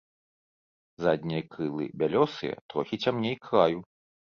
Заднія крылы бялёсыя, трохі цямней краю.